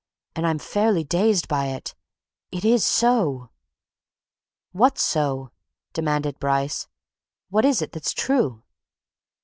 And I'm fairly dazed by it yet it's there it is so!" "What's so?" demanded Bryce. "What is it that's true?"